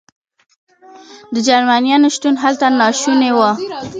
د جرمنیانو شتون هلته ناشونی و.